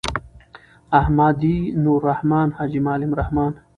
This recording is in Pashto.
احمدی.نوالرحمن.حاجی معلم الرحمن